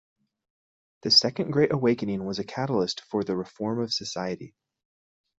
The Second Great Awakening was a catalyst for the reform of society.